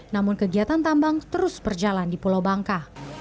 namun kegiatan tambang terus berjalan di pulau bangka